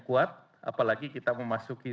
kuat apalagi kita memasuki